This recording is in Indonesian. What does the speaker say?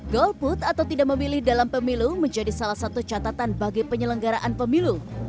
golput atau tidak memilih dalam pemilu menjadi salah satu catatan bagi penyelenggaraan pemilu